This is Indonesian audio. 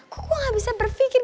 kok gue gak bisa berpikir